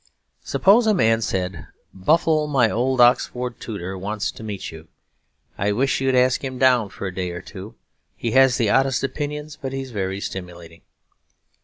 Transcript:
Suppose a man said, 'Buffle, my old Oxford tutor, wants to meet you; I wish you'd ask him down for a day or two. He has the oddest opinions, but he's very stimulating.'